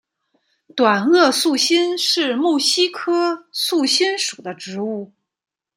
短萼素馨是木犀科素馨属的植物。